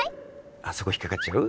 あっそこ引っかかっちゃう？